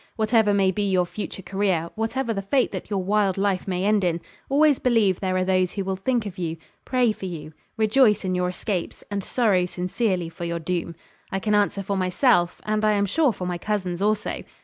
Whatever may be your future career, whatever the fate that your wild life may end in, always believe there are those who will think of you, pray for you, rejoice in your escapes, and sorrow sincerely for your doom. I can answer for myself, and I am sure for my cousins also.'